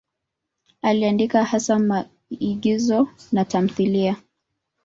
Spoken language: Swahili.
Aliandika hasa maigizo na tamthiliya.